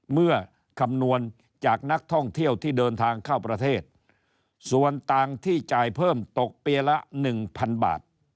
คำนวณจากนักท่องเที่ยวที่เดินทางเข้าประเทศส่วนต่างที่จ่ายเพิ่มตกปีละหนึ่งพันบาท